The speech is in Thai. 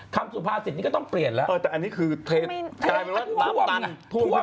คำสุภาสิทธิ์นี้ก็ต้องเปลี่ยนแล้วอันนี้คือเทรดตามตันน่ะท่วมท่วมขึ้นมา